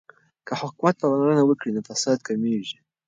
که حکومت پاملرنه وکړي نو فساد کمیږي.